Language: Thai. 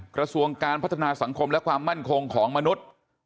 กระทรวงการพัฒนาสังคมและความมั่นคงของมนุษย์